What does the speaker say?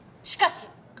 しかし